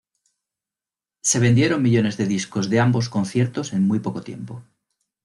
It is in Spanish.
Se vendieron millones de discos de ambos conciertos en muy poco tiempo.